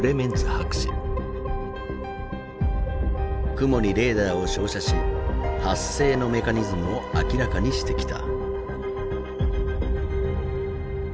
雲にレーダーを照射し発生のメカニズムを明らかにしてきた。